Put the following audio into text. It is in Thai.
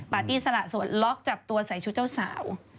ปาร์ตี้สละส่วนล็อกจับตัวใส่ชุดเจ้าสาว